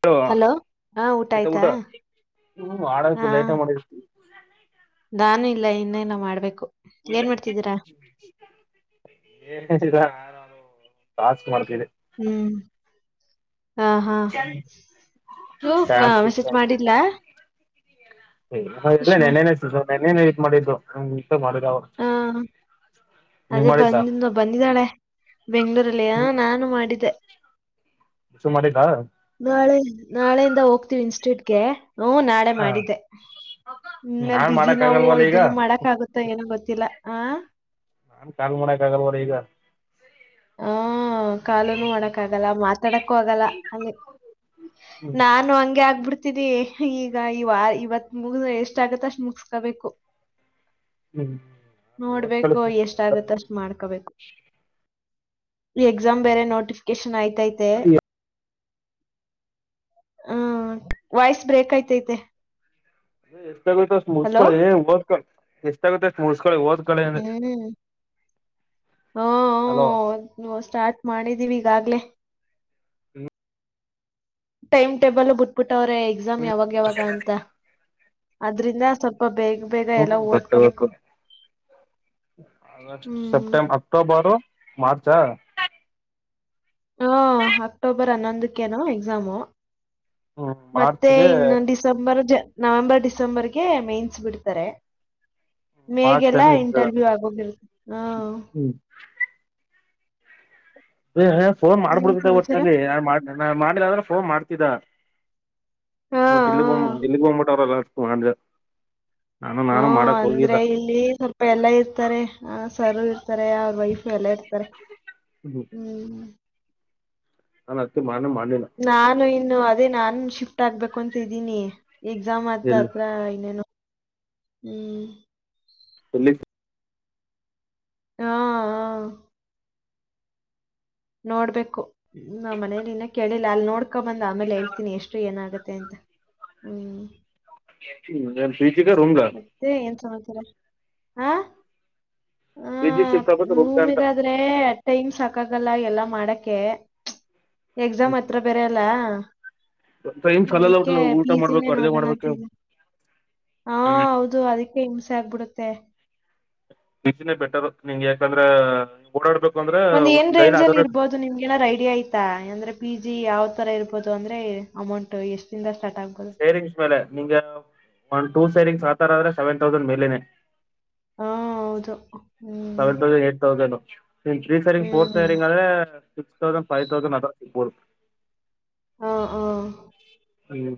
Hello ಆಯ್ತಾ ಊಟ ಹ ಹಾ ಆಡು ಲೈಟ ಮಾಡ. ನಾನು ಇಲ್ಲ ಇನ್ನೇ ನ ಮಾಡ್ಬೇಕು ಏನ್ ಮಾಡ್ತಿದ್ದೀರಾ. ಏನ್ [unintelligible] [unintelligible] ಹ್ಮ್. ಹಾ ಹಾ ನೀವ್ ಮೆಸೇಜ್ ಮಾಡಿಲ್ಲಾ ಇಲ್ಲ ನಿನ್ನೆ ನಿನ್ನೇನೆ ಎಡಿಟ್ ಮಾಡಿದ್ದು. ಹೌ [inaudible] ಹಾ ಅದೇ ಬಂದ ಬಂದಿದ್ದಾಳೆ ಬೆಂಗ್ಳೂರಲ್ಲಿ ಆ ನಾನು ಮಾಡಿದ್ದೆ. ಸುಮ್ ಮಾಡಿದ್ದ. ನಾಳೆ ನಾಳೆಯಿಂದ ಹೋಗ್ತೀವಿ ಇನ್ಸ್ಟಿಟ್ಯೂಟ್ಗೆ ಹ ನಾಳೆ ಮಾಡಿದ್ದೆ. ನಾನ್ ಬಿಜಿ ಮಾಡಕ್ ನಾವು ಆಗಲ್ವಲ್ಲ ಈಗ ಇದನ್ನು ಮಾಡಕ್ ಆಗುತ್ತೆ ಏನ ಗೊತ್ತಿಲ್ಲ. ನಾನ್ ಕಾಲ್ ಮನಕ್ ಆಗಲ್ ನೋಡ್ ಈಗ. ಹ ಕಾಲುನು ಮಾಡಕ್ ಆಗಲ್ಲ, ಮಾತಾಡಕ್ಕೂ ಆಗಲ್ಲ, ಅಲ್ಲಿ. ಹ್ಮ್ ನಾನು ಹಂಗೆ ಆಗ್ಬಿಡ್ತ ತ ಈಗ ಈವ ಇವತ್ ಮುಗ ಎಷ್ಟ ಆಗತ್ತ ಅಷ್ಟ್ ಮುಗಸ್ಕೊಬೇಕು. ಓದ್ ಕಳ ನೋಡ್ಬೇಕು ಎಷ್ಟಗತ್ತ ಅಷ್ಟು ಮಾಡ್ಕೊಬೇಕು. ಈ ಎಕ್ಸಾಮ್ ಬೇರೆ ನೋಟಿಫಿಕೇಶನ್ ಆತೈತೆ. ಹ್ಮ್ ವಾಯ್ಸ್ ಬ್ರೇಕ್ ಐತೆತೆ. ಎಷ್ಟಾಆಗುತ್ತ ಅಷ್ಟ ಮುಗಿಸಕೊಳ್ಳಿ ಓದಕ್ಕೋ. ಎಷ್ಟಾಗುತ್ತಷ್ಟ ಮುಸ್ಕ ಹ್ಮ್. ಹಲೋ ಹ್ಮ್ ಹ್ಮ್ ಸ್ಟಾರ್ಟ್ ಮಾಡಿದ್ದೀವಿ ಈಗಾಗ್ಲೇ. ಟೈಮ್ ಟೇಬಲ್ ಬಿಟ್ಬಿಟ್ಟವ್ರೆ ಎಕ್ಸಾಮ್ ಯಾವಾಗ ಯಾವಾಗ ಅಂತ. ಅದ್ರಿಂದ, ಸ್ವಲ್ಪ ಬೇಗ ಬೇಗ ಹ್ಮ್ ಎಲ್ಲ ಓದ್ಕೋಬೇಕು [unintelligible] ಆಗುಸ್ಟ್ ಹ್ಮ್ ಸೆಪ್ಟೆಂಬ ಅಕ್ಟೋಬರ್ ಮಾರ್ಚ್. ಹಾ ಅಕ್ಟೋಬರ್ ಹನ್ನೊಂದಕ್ಕೆನು ಎಕ್ಸಾಮು. ಹ್ಮ ಮತ್ತೆ ಮಾರ್ಚ್ಗೆ ಇನ್ನು ಡಿಸೆಂಬರ್, ಜ ನವೆಂಬರ್, ಡಿಸೆಂಬರ್ಗೆ, ಮೇನ್ಸ್ ಬಿಡ್ತಾರೆ. ಮಾರ್ಚ್ ಟೈಮ್ ಮೇಗೆಲ್ಲಾ ಇದ ಇಂಟರ್ವ್ಯೂ ಆಗೋಗಿರ್ ಹ. ಹ್ಮ್ ಹೇ ಹೇ ಫೋನ್ ಏನ್ ಮಾಡ್ಬಿಡ್ತಿದ ಸಮಾಚಾರ ಒಟ್ಟನಲ್ಲಿ ನಾ ನಾ ಮಾಡಿಲ್ಲ ಅಂದ್ರು ಪೋನ್ ಮಾಡ್ ಬಿಡ್ತಿದ್ದ. ಹಾ ಬಟ್ ಇಲ್ಲಿ ಬ ಇಲ್ಲಿಗೆ ಬೋಗ್ಬಿಟ್ಟ [unintelligible] ಹ್ಮ ಅಂದ್ರೆ ಇಲ್ಲಿ ಸ್ವಲ್ಪ ಎಲ್ಲಾ ಇರ್ತಾರೆ. ಸಾರ ಇರ್ತಾರೆ ಅವ್ರ ವೈಫ್ ಎಲ್ಲ ಇರ್ತಾರೆ ಹ್ಮ್. [unintelligible] ನಾನು ಇನ್ನು ಅದೇ ನಾನು ಶಿಫ್ಟ್ ಆಗ್ಬೇಕು ಅಂತ್ದೀನಿ. ಎಕ್ಸಾಮ್ ಆದತ ಎಲ್ಲಿ ಹತ್ರ ಇನೇನು ಹ್ಮ್. ಎಲ್ಲಿ. ಹಾ ಹ. ನೋಡ್ಬೇಕು ನಾ ಮನೇಲಿ ಇನ್ನ ಕೇಳಿಲ್ಲ. ಅಲ್ಲಿ ನೋಡ್ ಅಕ್ಕ ಬಂದ ಆಮೇಲೆ ಹೇಳ್ತೀನಿ ಎಷ್ಟು ಏನಾಗತ್ತೆ ಅಂತ ಹ್ಮ್. [inaudible] ರೂಮ್ಗ ಮತ್ತೆ ಏನ್ ಸಮಾಚಾರ. ಹಾ, ಹ ಪಿ ಜಿ ಶಿಫ್ಟ್ ಆಗ್ಬಿಟ್ಟು ರೂಮ್ಗ ರೂಮ ಅಂತ ಇದಾದ್ರೆ ಟೈಮ್ ಸಾಕ ಹಕ್ಕಾಗಲ್ಲ ಎಲ್ಲಾ ಮಾಡಕೆ ಎಕ್ಸಾಮ್ ಹ್ಮ್ ಹತ್ರ ಬೇರೆ ಅಲ್ಲ. ಟೈಮ್ ಅದಕ್ಕೆ ಸಾಲಲ್ಲ ಊಟ ಪಿಜಿನೇ ಮಾಡ್ಬೇಕು ಅಡ್ಗೆ ಮಾಡ್ಬೇಕು ನೋಡೋಣತಿದೆ. ಹಾ ಹ್ಮ್ ಹೌದು ಅದಕ್ಕೆ ಹಿಂಸೆ ಆಗ್ಬಿಡುತ್ತೆ. ಪಿಜಿ ನೇ ಬೆಟರ್ ನಿಂಗೆ ಯಾಕಂದ್ರೆ ಓಡಾಡ್ಬೇಕು. ಅಂದ್ರೆ ಒಂದ್ ಏನ್ ಡೈಲಿ ರೇಂಜ್ ಅಲ್ಲಿ ಅದರ ಇರ್ಬೋದು ನಿಮ್ಗೆ ನಾದ್ ಐಡಿಯಾ ಐತಾ. ಅಂದ್ರೆ ಪಿ ಜಿ ಯಾವ ತರ ಇರಬೋದು ಅಂದ್ರೆ ಅಮೌಂಟ್ ಎಷ್ಟಿಂದಷ್ಟು, ಸೇರಿಂಗ್ಸ್ ಮೇಲೆ ನಿಂಗೆ ಒನ್ ಟು ಸೇರಿಂಗ್ಸ್ ಆತರ ಆದ್ರೆ ಸೆವೆನ್ ತೌಸಂಡ್ ಮೇಲೇನೆ. ಹಾ ಹೌದು. ಹ್ಮ್ ಸೆವೆನ್ ತೌಸಂಡ್ ಏಟ್ ತೌಸಂಡ್ ನಿ ತ್ರೀ ಸೇರಿಂಗ್ ಫೋರ್ ಹ್ಮ್ ಸೇರಿಂಗ್ ಆದ್ರೆ, ಸಿಕ್ಸ್ ತೌಸಂಡ್ ಫೈವ್ ತೌಸಂಡ್ [unintelligible] ಹಾ, ಹಾ ಹ್ಮ್.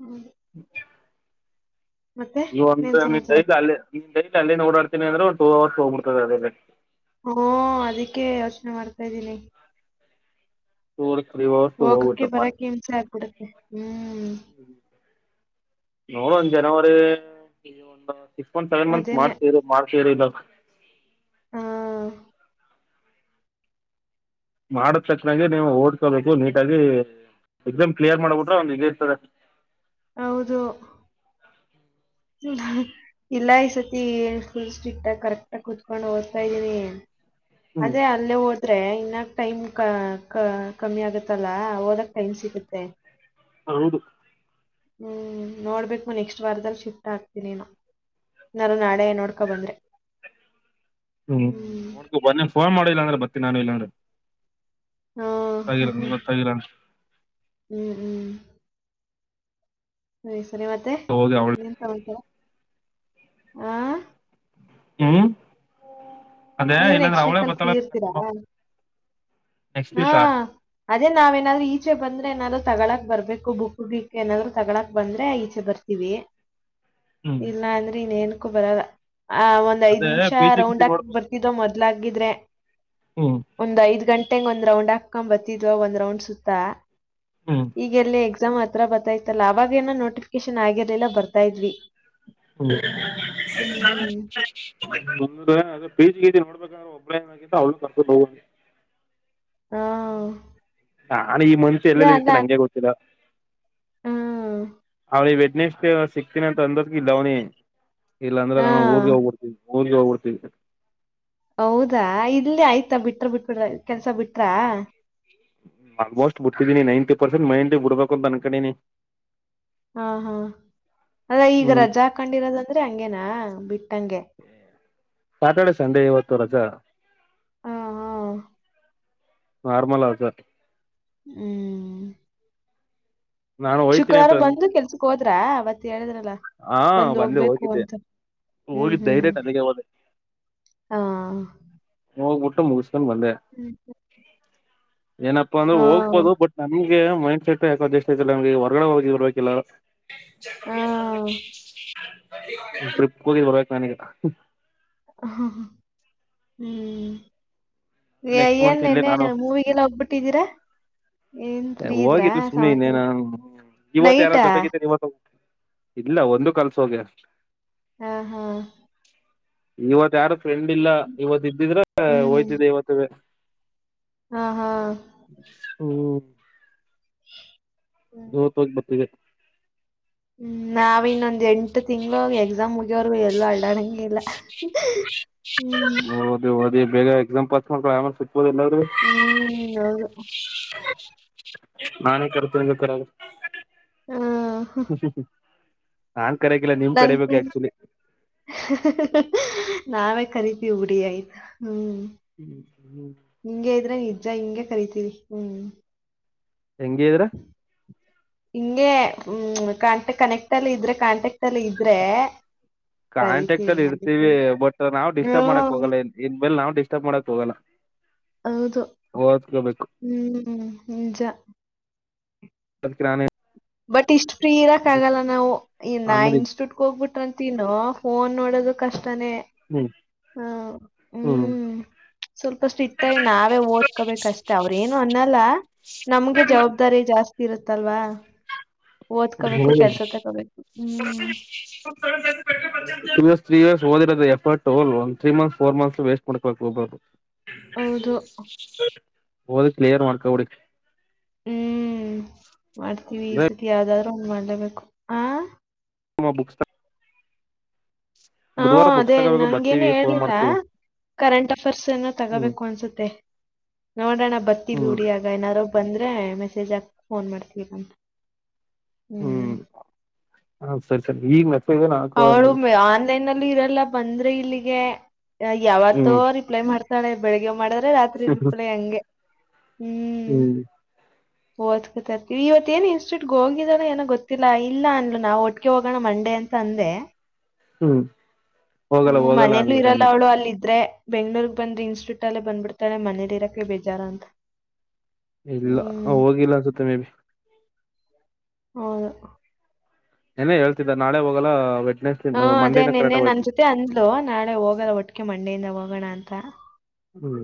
ಹ್ಮ್. [inaudible] ಮತ್ತೆ ನೀ ಒಂದ ಇನ್ನೇನ್ ನೀನ್ ಸಮಾಚಾರ? ಡೈಲಿ ಅಲ್ಲಿ ನೀನ್ ಡೈಲಿ ಅಲ್ಲಿ ಓಡಾಡ್ತೀನಿ ಅಂದ್ರೆಂದು ಟೂ ಅವರ್ಸ್ ಹೋಗ್ಬಿಡ್ತದೆ ಅದೇನೆ. ಹ್ಮ ಅದಕ್ಕೆ ಯೋಚನೆ ಮಾಡ್ತಾ ಇದ್ದೀನಿ. [inaudible] ಹೋಗಕ್ಕೆೆ ಹೋಗ್ಬಿಡ್ತು ಬರಕ್ಕೆ ಹಿಂಸೆ ಆಗ್ಬಿಡತ್ತೆ. ಹ್ಮ್, ಹ್ಮ್ ನೋಡೋಣ ಜನವರಿ [unintelligible] ಸಿಕ್ಸ್ ಮಂತ್ ಸೆವೆನ್ ಮಂತ್ಸ್ ಅದೇನೆ ಮಾರ್ಚ್ಸ್ ಇ ಮಾರ್ಚ್ [unintelligible] ಹಾ ಮಾಡದ ತಕ್ಷಾಗ ನೀವು ಓಡ್ಕೋಬೇಕು ನೀಟಾಗಿ ಎಕ್ಸಾಮ್ ಕ್ಲಿಯರ್ ಮಾಡ್ಬಿಟ್ರೆ ಒಗ ಇರ್ತಾರೆ ಹೌದು ಇಲ್ಲ ಈ ಸತಿ ಏಕುಲ್ ಸ್ಟ್ರಿಕ್ಟ್ ಆಗ ಕರೆಕ್ಟ್ ಆಾಗಿ ಕುೂತ್ಕೊಂಡು ಓದ್ತಾ ಇದ್ದೀನಿ ಹ್ಞೂ ಅದೇ ಅಲ್ಲೇ ಹೋದ್ರೆ ಇನ್ನ ಟೈಮ್ ಕಮ್ಮಿ ಆಗುತ್ತಲ್ಲ ಹಓದಕ್ ಟೈಮ್ ಸಿಗುತ್ತೆ ಹೌದು ಹ್ಮ್ ನೋಡ್ಬೇಕು ನೆಕ್ಸ್ಟ್ ವಾರದಲ್ಲಿ ಸಿ ಆಗ್ತನಿನು ನಾರು ನಾಳೆ ನೋಡ್ಕೊ ಬಂದ್ರೆ ಹ್ಮ್ ನಡ್ ಬನ್ ಫೋನ್ ಮಾಡಿಲ್ಲಾಂದ್ರ ಬತ್ತಿ ನಾನು ಇಲ್ಲಾಂದ್ರೆ ಆ, ತಾಯರಾನ್ ಎಲ್ಲ ತಾಯಿರಾನ್ ಹ್ಮ್ ಹ್ಮ್ ಸರಿ ಸರಿ ಮತ್ತೆ ಹೋಗಿ ಅವಳ ಏನ್ ಸಮ ಹಾ ಹ್ಮ್ ಅದೇ ನೀವು ಇಲ್ಲ ನ ನೆಕ್ಸ್ಟ್ ಅವಳೇ ವೀಕ್ ಅಲ್ಲಿ ಬತ ಫ್ರೀ ಇರ್ತೀರಾ ಕ ಹಾ ಅದೇ ನಾವೇನಾದ್ೂ ಈ ಈಚೆ ಬಂದ್ರೆ ಏನಾದ್ರು ತಗಳಳಾಕ್ ಬರ್ಬೇಕು ಬುಕ್ ಬಕ್ ಏನಾದ್ರು ತಗಗಳಾಕ್ ಬಂದ್ರೆ ಈಚೆ ಬರ್ತೀವಿ ಹ್ಮ್ ಇಲ್ಲ ಅಂದ್ರೆ ಇನ್ೇನ್ಕೂ ಬರಲ್ಲ ಆ ಒಂದ್ ಐದ್ ಅದೇ ನಿಮಿಷ ಪಿಜಿ ಗಿಜಿ ರೌಂಡ್ ಆಕ್ ನೋಡ್ಬೇಕು ಬರ್ತಿದ್ದೋ ಮದ ದಲಿದ್ರೆ ಹ್ಮ್ ಒಂದ್ ಐದ್ ಗಂಟೆ ಂಗ್ ಒಂದ್ ರೌಂಡ್ ಹಾಕೊ್ ಬತಿದ್ವ ಒಂದ್ ರೌಂಡ್ ಸುತ್ತ ಹ್ಮ್ ಈಗೆಲ್ಲ ಎಕ್ಸಾಮ್ ಹತ್ರ ಬರ್ತಾ ಇತ್ತತಲ್ಲ ಅವವಾಗ ಏನೋ ನೋಟಿಫಿಕೇಶನ್ ಆಗಿರ್ಲಿಲ್ಲ ಬರ್ತಾ ಇದ್ವಿ ಹ್ಮ್ ಹ್ಮೂರ ಬೀಜಿ ಗೀಜಿ ನೋಡ್ಬೇಕಾದ್ರೆ ಒಬ್ಲೈನ್ ಆಗಿಂತ ಅವ್ಳು ಕರ್ಕೊಂಡು ಹೋಗಿ ಹಾ ನಾನ ಈ ಮನ್ಷು ಅದ ಎಲ್ಲೆಲ್ಲಿ ಅಲ್ಲ ಇರ್ತೀಿನಿ ಹಂಗೆ ಗೊತ್ತಿಲ್ಲ ಹ್ಮ್ ಅವಿ ವೆಟ್ನೆಸ್ ಸಿಕ್ತೀನಿ ಅಂತ ಅಂದ್ರ ಇಲ್ಲ ಅವನಿ ಇಲ್ಲಾಂದ್ರೆ ಹಾ ನಾ ಊರ್ಗೆ ಹೋಗ್ಬಿಡ್ತಿ ಮೂಊರ್ ಜ ಹೋಗ್ಬಡ್ತ ಹೌದಾ ಇಲ್ಲಿ ಆಯ್ತಾ ಬಿಟ್ರ ಬಿಟ್ಬಿಟ್ರ ಕೆಲ್ಸ ಬಿಟ್ರ ಆಲ್ಮೋಸ್ಟ್ ಬಿಡ್ತಿದೀನಿ ನೈಂಟಿ ಪರ್ಸೆಂಟ್ ಮೈಂಟಿ ಬಿಡ್ಬೇಕು ಅಂತ ಅಂದನ್ ಕಡನಿ ಹಾ ಹಾ ಅದ ಈಗ ಹ್ಮ್ ರಜಾ ಹಾಕೊಂಡಿರೋದಂದ್ರೆ ಹಂಗೇನಾ ಬಿಟ್ಟ ಸ್ಯಾಟರ್ಡೆ ಸಂಡೇ ಇವತ್ತು ರಜಾ ಹಾ ಹಾ ನಾರ್ಮಲ್ ಆದು ಹ್ಮ್ ನಾನು ಹೋಯ್ತೀನಿ ಶುಕ್ರವಾರ ಅಂತ ಅಂದ್ ಬಂದು ಕೆಲ್ಸಕ್ ಹೋದ್ರ ಅವತ್ತ ಹೇಳಿದ್ರಲ್ಲ ಹಾ ಬಂದೆ ಬಂದುಗ ಹೋಗಿದ್ದೆ ಕನ್ಸ ಹ್ಮ್ ಹೋಗಿದ್ದ ಹ್ಮ್ ಡೈರೆಕ್ಟ್ ಅಲ್ಲಿಗೆ ಹೋದೆ ಹಾ ಹ್ ಊಟ್ಟು ಮುಗಿಸಕೊಂಡು ಬಂದೆ ಹ್ಮ್ ಏನಪ್ಪಾ ಅಂದ್ರೆ ಹಾ ಹೋಗ್ಬೋದು ಬಟ್ ನಮ್ಗೆ ಮೈಂಡ್ ಸೆಟ್ ಯಾಕೆ ಅಡ್ಜಸ್ಟ್ ಐತಿಲ್ಲ ನಮ್ಗೆ ಹೊರ್ಗಡೆ ಹೋಗಿ ಇರ್ಬೇಕಲ್ಲ ಚ ಹಾ ಿಪ್ ಕೂುದ ಬರ್ಬೇಕ ನನಗೆ ಹ ಹಾ ಹ ಹ್ಮ್ ನೆಕ್ಸ್ಟ್ ಮಂತ್ ಇಲ್ಲೇ ಏನ್ನೆೆ ನಾನು ಮೂವಿಗೆಲ್ಲ ಹೋಗ್ಬಿಟ್ಟಿದ್ದೀರಾ ಹೋಗಿದಲು ಸುಮ್ಮಿ ಇನ್ನ ನ ಇವತ್ತು ಯಾರ ನೈಟಾ ಜೊತೆಗಿದ್ದೇನೆ ಇವತ್ತು ಇಲ್ಲ ಒಂದು ಕಲ್ಸ ಹೋಗ್ಯ ಹಾ ಹಾ ಇವತ್ ಯಾರು ಫ್ರೆಂಡ್ ಇಲ್ಲ ಇವತ್ ಇದ್ದಿದ್ರೆ ಹ್ಮ್ ಹೋಯ್ತಿದ್ದ ಇವತ್ತುೇ ಹಾ ಹಾ ಹ್ಮ ಹ್ಮ್ ಹೋ ತ ಬರ್ತ ಹ್ಮ್ ನಾವ ಇನ್ನೊಂದ್ ಎಂಟು ತಿಂಗ್ಳ ಎಕ್ಸಾಮ್ ಮುಗಿಯವರ್ಗೂ ಎಲ್ಲೂ ಅಡಣಂಗ ಇಲ್ಲ ಹ್ಮ್ ಓದಿ ಓದಿ ಬೇಗ ಎಕ್ಸಾಮ್ ಸಿಗ್ಬೋದು ಎಲ್ಲಾದ್ರೂ ಹ್ಮ್ ಅೌದು ನಾಾನೇ ಕರ್ತ ಕರ ಹಾ ನಾಂಗ ಕರೆಯಕ್ಕಿಲ್ಲ ನಿಮ್ ನನ್ ಕರಿಬೇಕು ಆಕ್ಚುಲಿ ನಾವೇ ಕರಿೀತೀವಿ ಉುಡಿ ಆಯ್ತು ಹ್ಮ್ ಹಿಂಗಗೆ ಇದ್ರೆ ನಿಜ ಹಿಂಗೆ ಕರಿತೀವಿ ಹ್ಮ್ ಹೆಂಗ ಇದ್ರ ಹಿಂಗೆ ಹ್ಮ ಕಾಂ ಕನೆಕ್ಟ್ ಅಲ್ಲಿ ಇದ್ರೆ ಕಾಂಟೆಕ್ಟ್ ಅಲ್ಲಿ ಇದ್ರೆ ಕಾಂಟಾಕ್ಟ್ ಕರಿತೀವಿ ಅಲ್ಲಿ ಅದಕ್ಕೆ ಇರ್ತೀವಿ ಬಟ್ ನಾವ್ ಡಿಸ್ಟರ್ಬ್ ಮಾಡಕ್ ಹ್ಮ್ ಹೋಗಲ್ಲನ್ ಇನ್್ಮೇಲೆ ನಾವ್ ಡಿಸ್ಟರ್ಬ್ ಮಾಡಕ್ ಹೋಗಲ್ಲ ಹೌದು ಓದ್ಕೋಬೇಕು ಹ್ಮ್ ನಿಜ ಬಂದಕೆ ಬಟ್ ಇಷ್ಟು ಫ್ರೀ ಇರಕ್ ಆಗಲ್ಲ ನಾವು ಇ ನಾ ಆಮೇಲೆ ಇನ್ಸ್ಟಿಟ್ಯೂಟ್ ಹೋಗ್ಬಿಟ್ರಂತನ ಫೋನ್ ನೋಡೋದು ಕಷ್ಟ ತಾನೆ ಹ್ಮ್ ಹ್ಮ ಹ್ಮ್ ಸ್ವಲ್ಪಷ್ಟು ಇತ್ತ ನಾವೇ ಓದ್ಕೊಬೇಕಷ್ಟ ಅವ್ರ ಏನು ಅನ್ನಲ್ಲ ನಮ್ಗೆ ಜವಾಬ್ದಾರಿ ಜಾಸ್ತಿ ಇರುತ್ತಲ್ವಾ ಹ್ಮ ಓದ್ಕೋಬೇಕು ಟೂ ಕೆಲ್ಸ ತಗೋಬೇಕು ಹ್ಮ್ ಇಯರ್ ತ್ರೀ ಇಯರ್ ಓದಿೋದು ಎಫರ್ಟ್ಲ್ ಒ ತ್ರೀರಿ ಮತ್ಸ್ ಫೋರ್ ಮತ್ಸ್ ವಸ್ಟ್್ಬೇಕಕ್ ಒಬ್ಬರು ಹೌದು ಹದ ಕ್ಲಿಯರ್ ಮಾಡಕಾ ಕುಡಿ ಹ್ಮ್ ಮಾಡ್ತೀವಿ ಈ ಅಂದ್ರೆ ಸತಿ ಯಾವ್ದಾದ್ ಒ್ ಮಾಡ್ಲೇಬೇಕು ಹ ಬುಕ್ಸ್ ಹಾ ಬುಧವಾರ ಬುಕ್ಸ್ ಅದೇ ತಗೋಬೇಕು ನಂಗೇನು ಬರ್ತೀವಿ ಫೋನ್ ಹೇಳ್ಲಿಲ್ಲ ಮಾಡ್ತೀವಿ ಕರೆಂಟ್ ಅಫೇರ್ಸ್ ಏನೋ ಹ್ಮ್ ತಗೋಬೇಕು ಅನ್ಸುತ್ತೆ ನೋಡೋಣ ಬರ್ತೀವಿ ಹ್ಮ್ ಉುಡಿಯಾಗ ಏನಾರೊಬ್ ಬಂದ್ರೆ ಮೆಸೇಜ್ ಆಾಕ್ ಫೋನ್ ಮಾಡ್ತೀವಿಂತ ಹ್ಮ್ ಹ ಸರಿ ಸರಿ ಈಗ ಮ ಅವಳು ಆನ್ಲೈನ್ ಅಲ್ಲಿ ಇರಲ್ಲ ಬಂದ್ರಿ ಇಲ್ಲಿಗೆ ಯಾವತ್ತೋ ಹ್ಮ್ ರಿಪ್ಲೈ ಮಾಡ್ತಾಳೆ ಬೆಳಿಗ್ಗೆ್ ಮಾಡಿದ್ರೆ ರಾತ್ರಿ ರಿಪ್ಲೈ ಹಂಗೆ ಹ್ಮ್ ಓದ್ಕೊತಾರ್ತೀವಿ ಇವತ್ತೇನ್ ಇನ್ಸ್ಟೂಟ್ಗೆ ಹೋಗಿದಾರ ಏನ ಗೊತ್ತಿಲ್ಲ ಇಲ್ಲ ಅನ್ಲು ನಾವು ಒಟ್ಟಗೆ ಹೋಗೋಣ ಮಂಡೆ ಅಂತ ತಂದೆ ಹ್ಮ್ ಹೋಗಲ್ಲ ಹ್ಮ ಹೋಗಲ್ಲ ಮನೆಯಲ್ಲೂ ಅಂದ್ಲು ಇರಲ್ಲ ನೆನ್ನೆ ಅವಳು ಅಲ್ಲಿದ್ರೆ ಬೆಂಗ್ಳೂರ್ಗ್ ಬಂದ್ರೆ ಇನ್ಸ್ಟಿಟ್ಯೂಟ್ ಅಲ್ಲೇ ಬಂದ್ಬಿಡ್ತಳೆ ಮನೇಲಿರಕ್ಕೆ ಬೇಜಾರ ಅಂತ ಇಲ್ಲ ಹೋಗಿಲ್ಲ ಅನ್ಸುತ್ತೆ ಮೇ ಬಿಿ ಹೌದು ಏನೇ ಹೇಳ್ತಿದ್ದ ನಾಳೆ ಹೋಗಲ್ಲ ವೆಡ್ನೆಸ್ ಹಾ ಅದೇ ಮಂಡೇನ ಕರೆಕ್ಟ್ ನಿೆನ್ನೆ ನನ್ ಹೋಯ್ತು ಜೊತೆ ಅಂದ್ಲು ನಾಳೆ ಹೋಗಲ್ಲ ಒಟ್ಟಿಗೆ ಮಂಡೆಯಿಂದ ಹೋಗೋಣ ಅಂತ ಹ್ಮ್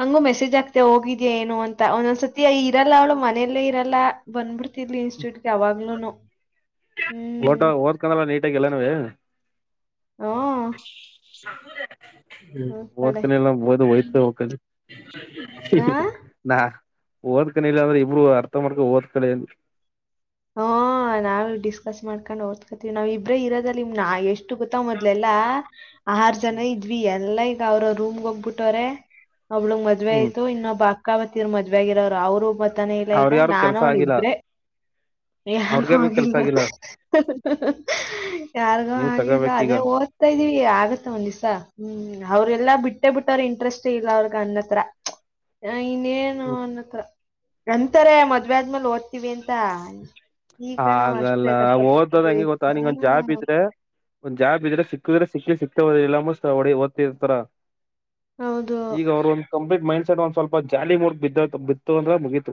ಹಂಗು ಮೆಸೇಜ್ ಆಗ್ತತೆ ಹೋಗಿದ್ಯಾ ಏನು ಅಂತ ಒಂದೊಂದ್ಸತಿ ಇರಲ್ಲಾ ಅವ್ಳ ಮೆಯಲ್ಲೇ ಇರಲ್ಲ ಬಂದ್ಬಿಡ್ತ ತಿರ್ಲಿ ಇನ್ಸ್ಟ್ಯೂಟ್ಗೆ ಅವಾಗ್ಲನು ಓಟ ಓದಕೊಂಡಲ್ಲ ನೀಟಾಗಿಲ್ಲ ನವೆ ಹ್ಮ್ ಸದ ಹ್ಮ ಹೋಗ್ತಾಳೆ ಓದ್ಕನ ಎಲ್ಲ ಓದು ಹಯ್ತ ಹ್ಮ್ ಹೋಗ ಆ ನಾ ಓದ್ಕನ ಇಿಲ್ಲ ಆದ್ರೆ ಇಬ್ರು ಅರ್ಥ ಮಾಡ್ಕ ಓದ್ಕಳ ಅಲ್ ಹಾ ನಾವವು ಡಿಸ್ಕಸ್ ಮಾಡ್ಕೊಂಡ್ ಓದ್ಕತಿೀವಿ ನಾವ್ ಇಬ್ರೇ ಇರೋದ ನಿಮ್ಾ ಎಷ್ಟು ಎಷ್ಟು ಗೊತ್ತ ಮೊದ್ಲೆಲ್ಲಾ ಆಹಾರ ಜನ ಇದ್ವಿ ಎಲ್ಲ ಅವ್ರ ರೂಮ್ಗೆ ಹೋಗ್ಬಿಟ್ಟವ್ರೆ ಅವ್ಳಗ್ ಮದ್ವೆ ಹ್ಮ್ ಆಯ್ತು ಇನ್ನೊ ಬಾ ಅಕ್ಕ ಬತ್ತರ್ ಮದ್ವೆೆಗರೋರು ಅವ್ರು ಮತ್ತಾನೆ ಇಲ್ಲ ಅವ್ರ ಈಗ ಯಾರು ನಾ ಕೆಲ್ಸ ಆಗಿಲ್ಲ ನೋಡಿದ್ರೆ ಯಾರು ಅವ್ರಗ್ಯಾರ್ಗು ಕೆಲ್ಸ ಹಿಲ್ಲ ಆಗಿಲ್ಲ ಯಾರ್ಗ ನೀವ್ ಆಗಿಲ್ಲ ತಗೋಬೇಕೀಗ ಅದೇ ಓದ್ತಾ ಇದೀವಿ ಆಗತ್ತ ಒಂದ್ ಹ್ಮ್ ಅವ್ರೆಲ್ಲಾ ಬಿಟ್ಟೆ ಬಿಟ್ಟ ಅವ್ರ ಇಂಟ್ರೆಸ್ಟ್ ಇಲ್ಲ ಅವ್ರಗ್ ಅನ್ನತ್ರ ಆ, ಹ ಇನ್ನೇನು ನನ್ನತ್ರ ಎಂತಾರೆ ಮದ್ವೆೆ ಆದ್ಮೇಲೆ ಓದ್ತಿೀವಿ ಅಂತ ಈಗ ನಾವ್ ಹಾಗಲ್ಲ ಅಷ್ಟೇ ಓದದ ಕಷ್ಟಪಡ್ತಿದೀವಿ ಹಂಗೆ ಗೊತ್ತ ನೀಂಗೊಂದ್ ಜಾಬ್ ಹ್ಮ್ ಇದ್ರೆ ಒಂದ್ ಜಾಬ ಇದ್ರೆ ಸಿಕ್ಕಿದ್ರೆ ಸಿಕ್ಕಲಿ ಸಿಕ್ಕ ಹೊ ಓದ ಇರ್ತಾರ ಹೌದು ಈಗ ಅವರು ಒ ಕಂಪ್ಲೀಟ್ ಮೈಂಡ್ ಡ್ ಒಂದ್ ಸ್ವಲ್ಪ ಜಾಲಿ ಮುಗ ಬಿದ್ದ ಬಿತ್ತುು ಅಂದ್ರೆ ಮುಗೀತು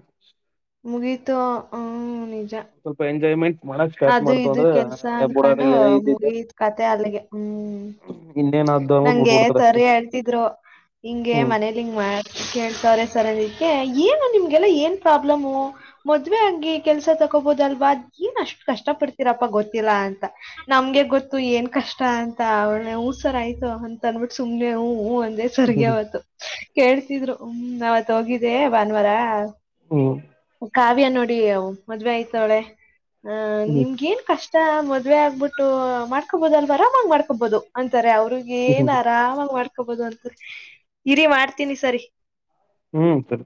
ಮುಗಿತ ಹ್ ನಿ ಸ್ವಲ್ಪ ಎಂಜಾಯ್ಮೆಂಟ್ ಮಾಡಕ್ ಸ್ಟಾರ್ಟ್ ಅದು ಮಾಡ್ತು ಇದು ಕೆಲ್ಸ ಅಂದ್ರೆ ಅನ್ಕೊಂಡು ಬುಡದಾಗ ಏನ ಇದಿದ್ದೆ ಮುಗಿದ್ ಕತೆೆ ಅಲ್ಲಿಗೆ ಹ್ಮ್ ಇನ್ನೇನ್ ಆದ್ದು ಅನ್ಬಿಟ್ಟು ನಂಗೆ ಬಿಟ್ಬಿಡ್ತಾರ ಅಷ್ಟೇ ತರಿ ಹೇಳ್ತಿದ್ರು ಹಿಂಗೆ ಹ್ಮ್ ಮನೇಲಿ ಹಿಂಗ್ ಮಾಡ ಕೇಳ್ತವ್ರ ಸರಿದಕ್ಕೆ ಏನು ನಿಮ್ಗೆಲ್ಲ ಏನ್ ಪ್ರಾಬ್ಲಮು ಮದ್ವೆ ಆಗಿ ಕೆಲ್ಸ ತಕೋಬೋದಲ್ವಾ ನಷ್ಟ ಕಷ್ಟ ಪಡ್ತೀರಪ್ಪ ಗೊತ್ತಿಲ್ಲ ಅಂತ ನಮ್ಗೆ ಗೊತ್ತು ಏನ್ ಕಷ್ಟ ಅಂತ ಅವ ಹಸರ ಆಯ್ತು ಅಂತ ಅಂದ್ಬಿಟ್ಟು ಸುಮನೆ ಹ ಅದೇ ಹ್ಮ್ ಸ್ವರ್ಗವತ್ತು ಕೇಳ್ತಿದ್ರು ಹ್ಮ ಅವಾವತ್ ಹೋಗಿದ್ದೇ ಭಾನುವಾರ ಹ್ಮ್ ಕಾವ್ಯ ನೋಡಿ ಅವು ಮದ್ವೆ ಆಯ್ತವಳೆ ಅಹ ಹ್ಮ್ ನಿಮ್ಗ ಏನ್ ಕಷ್ಟ ಮದ್ ಮದ್ವೆ ಆಗ್ಬಿಟ್ಟು ಮಾಡ್ಕೊಬಹುದು ಅಲ್ವರಾಮಂಗ್ ಮಾಡ್ಕೊಬಹುದು ಅಂತಾರೆ ಅವ್ರಗ ಹ್ಮ್ ಏನ್ ಹ್ಮ್ ಆರಾಮಂಗ್ ಮಾಡ್ಕ ಹಬೋದು ಅಂತ ಇರಿೀ ಮಾಡ್ತೀನಿ ಸರಿ ಹ್ಮ್ ಸರಿ